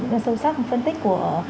những sâu sắc phân tích của